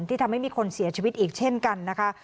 ทำให้มีคนเสียชีวิตอีกเช่นกันนะคะ